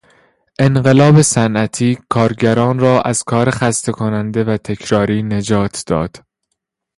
انقلاب صنعتی کارگران را از کار خسته کننده و تکراری نجات داد.